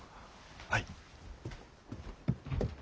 はい！